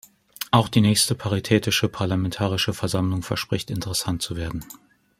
Auch die nächste Paritätische Parlamentarische Versammlung verspricht interessant zu werden.